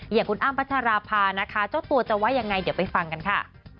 อย่างคุณอ้ำพัชราภานะคะเจ้าตัวจะว่ายังไงเดี๋ยวไปฟังกันค่ะ